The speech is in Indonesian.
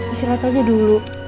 istirahat aja dulu